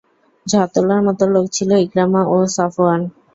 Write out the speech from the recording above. ঝড় তোলার মত লোক ছিল ইকরামা ও সফওয়ান।